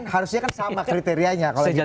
harusnya kan sama kriterianya